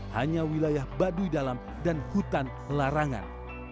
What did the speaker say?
hanya wilayah baduy dalam dan hutan larangan